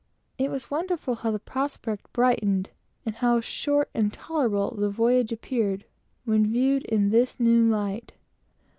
It was wonderful how the prospect brightened, and how short and tolerable the voyage appeared, when viewed in this new light.